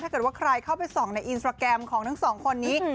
ถ้าเกิดว่าใครเข้าไปส่องในอินสตราแกรมของทั้งสองคนนี้